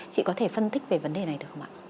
chị có thể phân tích về vấn đề này được không ạ